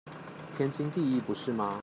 天經地義不是嗎？